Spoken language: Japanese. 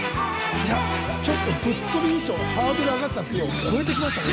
いやちょっと、ぶっ飛び衣装ハードル上がってたんですが越えてきましたね。